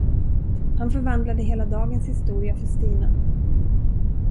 Han förvandlade hela dagens historia för Stina.